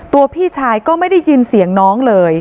พี่ชายก็ไม่ได้ยินเสียงน้องเลย